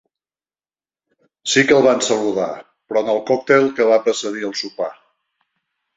Sí que el van saludar, però, en el còctel que va precedir el sopar.